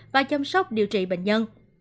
và chăm sóc điều trị bệnh nhân